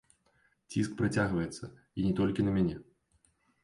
Ціск працягваецца, і не толькі на мяне.